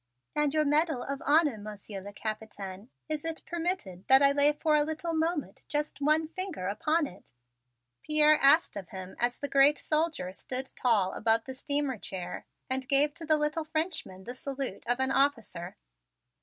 "And your medal of honor, Monsieur le Capitaine; is it permitted that I lay for a little moment just one finger upon it?" Pierre asked of him as the great soldier stood tall above the steamer chair and gave to the little Frenchman the salute of an officer.